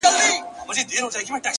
زه له خپلي ډيري ميني ورته وايم!!